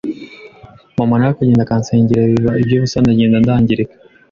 mama na we akansengera ariko biba iby’ubusa ndagenda ndangirika